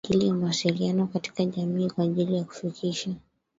Kwa ajili ya mawasiliano katika jamii kwa ajili ya kufikisha